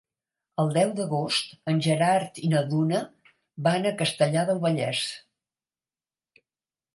El deu d'agost en Gerard i na Duna van a Castellar del Vallès.